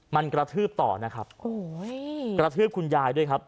มันกระทืบต่อนะครับโอ้โหกระทืบคุณยายด้วยครับ